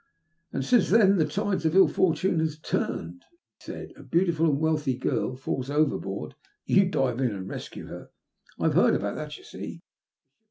*' And since then the tide of ill fortune has turned," ^TO ARE SAVED. 207 he said. A beautiful and wealthy girl falls overboard — you dive in, and rescue her. I have heard about that, you see.